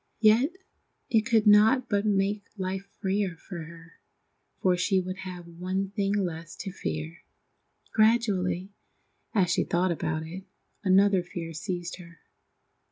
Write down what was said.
Yet it could not but make life freer for her, for she would have one thing less to fear. Gradually, as she thought about it, another fear seized her.